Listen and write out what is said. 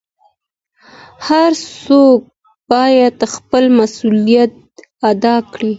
هر څوک بايد خپل مسووليت ادا کړي.